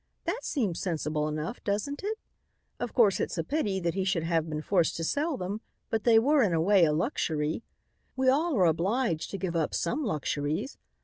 That seems sensible enough, doesn't it? Of course it's a pity that he should have been forced to sell them, but they were, in a way, a luxury. We all are obliged to give up some luxuries.